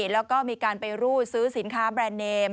แล้วก็มีการไปรูดซื้อสินค้าแบรนด์เนม